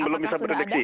belum bisa berdeksi